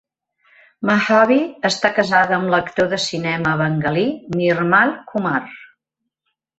Madhabi està casada amb l'actor de cinema bengalí Nirmal Kumar.